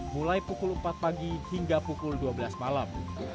mulai pukul empat pagi hingga pukul dua belas malam